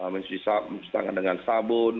mencuci tangan dengan sabun